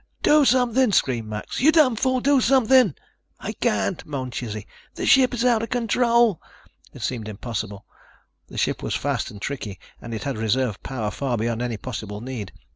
"Do something!" screamed Max. "You damn fool, do something!" "I can't," moaned Chizzy. "The ship is out of control." It seemed impossible. That ship was fast and tricky and it had reserve power far beyond any possible need.